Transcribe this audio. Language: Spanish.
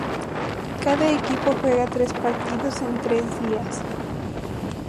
Cada equipo juega tres partidos en tres días.